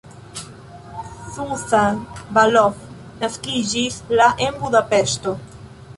Zsuzsa Balogh naskiĝis la en Budapeŝto.